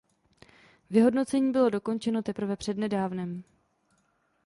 Vyhodnocení bylo dokončeno teprve před nedávnem.